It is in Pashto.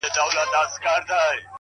ما په لومړي ځل بعاوت سره لټې کړې ده;